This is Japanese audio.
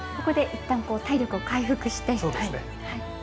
いったん体力を回復して。